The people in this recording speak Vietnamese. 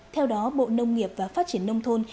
theo đó bộ nông nghiệp và phát triển nông thôn